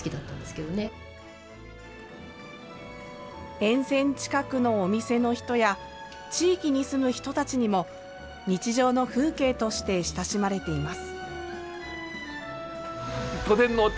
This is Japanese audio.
沿線近くのお店の人や地域に住む人たちにも日常の風景として親しまれています。